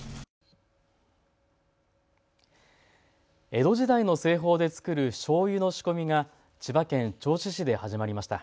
江戸時代の製法で造るしょうゆの仕込みが千葉県銚子市で始まりました。